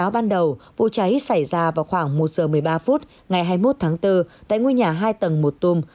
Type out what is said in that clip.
ban đầu vụ cháy xảy ra vào khoảng một giờ một mươi ba phút ngày hai mươi một tháng bốn tại ngôi nhà hai tầng một tùm